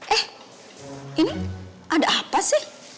eh ini ada apa sih